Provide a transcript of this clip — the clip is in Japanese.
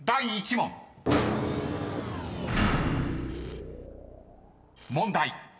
［問題］